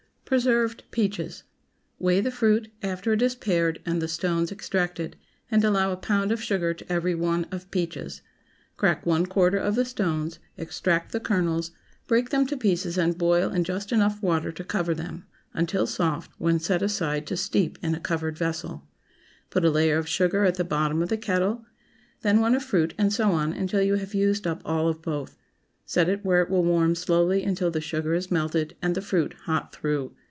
PRESERVED PEACHES. ✠ Weigh the fruit after it is pared and the stones extracted, and allow a pound of sugar to every one of peaches. Crack one quarter of the stones, extract the kernels, break them to pieces and boil in just enough water to cover them, until soft, when set aside to steep in a covered vessel. Put a layer of sugar at the bottom of the kettle, then one of fruit, and so on until you have used up all of both; set it where it will warm slowly until the sugar is melted and the fruit hot through.